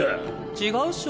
違うっしょ。